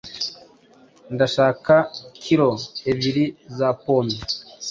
Ndashaka kilo ebyiri za pome.